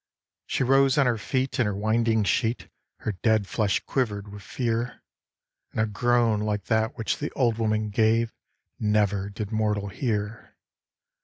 She rose on her feet in her winding sheet, Her dead flesh quiver'd with fear, And a groan like that which the Old Woman gave Never did mortal hear.